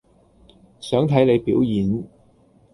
想睇你表演